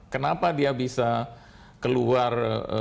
kenapa dia bisa keluar